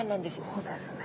そうですね。